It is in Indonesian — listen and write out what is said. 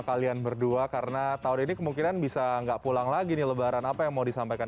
kalian berdua karena tahun ini kemungkinan bisa enggak pulang lagi nih lebaran apa yang mau disampaikan